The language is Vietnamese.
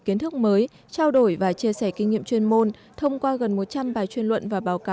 kinh thức mới trao đổi và chia sẻ kinh nghiệm chuyên môn thông qua gần một trăm linh bài chuyên luận và báo cáo có chất